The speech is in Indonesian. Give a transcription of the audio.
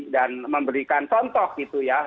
dan memberikan contoh gitu ya